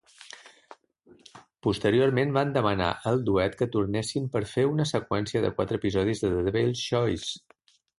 Posteriorment van demanar al duet que tornessin per fer una seqüència de quatre episodis de "Devil's Choices".